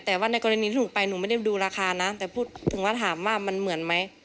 แต่ว่าในกรณีที่ถูกไปหนูไม่ได้ดูราคานะแต่พูดถึงว่าถามว่ามันเหมือนไหม